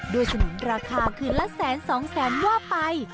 ด้วยสมุนราคาคือละสันสองแสนว่าไป